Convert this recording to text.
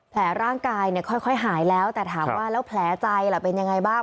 แผลร่างกายค่อยหายแล้วแต่ถามว่าแล้วแผลใจเป็นยังไงบ้าง